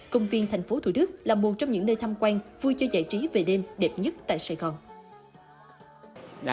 công viên thành phố thủ đức là một trong những nơi tham quan vui chơi giải trí về đêm đẹp nhất tại sài gòn